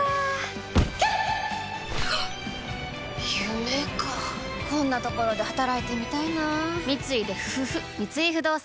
夢かこんなところで働いてみたいな三井不動産